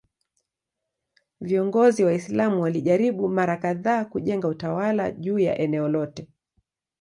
Viongozi Waislamu walijaribu mara kadhaa kujenga utawala juu ya eneo lote.